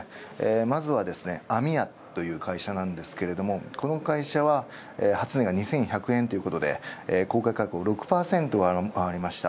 まずは、網屋という会社ですが、この会社は、初値が２１００円ということで、価格あがりました。